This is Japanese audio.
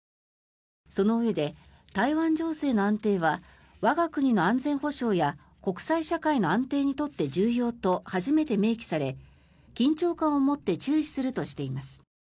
そのうえで、台湾情勢の安定は我が国の安全保障や国際社会の安定にとって重要と初めて明記され緊張感を持って注視するとしています。